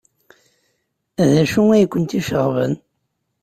D acu ay kent-iceɣben?